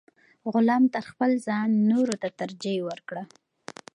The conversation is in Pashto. غلام تر خپل ځان نورو ته ترجیح ورکړه.